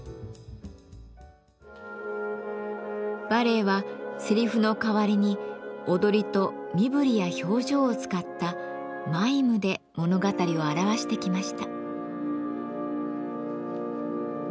バレエはセリフの代わりに踊りと身振りや表情を使ったマイムで物語を表してきました。